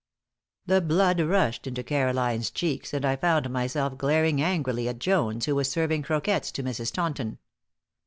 The blood rushed into Caroline's cheeks, and I found myself glaring angrily at Jones, who was serving croquettes to Mrs. Taunton.